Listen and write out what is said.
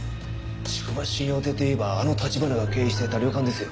竹葉新葉亭といえばあの立花が経営していた旅館ですよ。